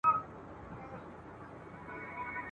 دا چټکه تله پر لار زوی یې کرار وو !.